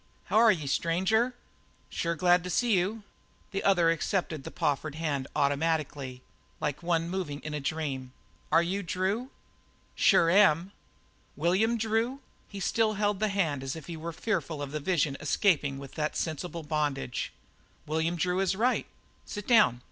"H'ware ye, stranger? Sure glad to see you." The other accepted the proffered hand automatically, like one moving in a dream. "Are you Drew?" "Sure am." "William Drew?" He still held the hand as if he were fearful of the vision escaping without that sensible bondage. "William Drew is right. Sit down.